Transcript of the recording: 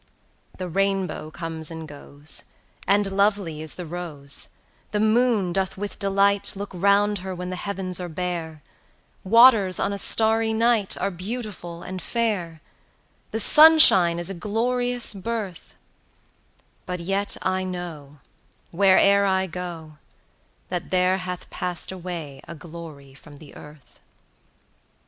The rainbow comes and goes, 10 And lovely is the rose; The moon doth with delight Look round her when the heavens are bare; Waters on a starry night Are beautiful and fair; 15 The sunshine is a glorious birth; But yet I know, where'er I go, That there hath pass'd away a glory from the earth.